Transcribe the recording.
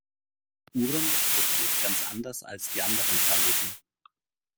Uranus rotiert ganz anders als die anderen Planeten.